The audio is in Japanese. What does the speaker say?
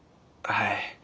はい。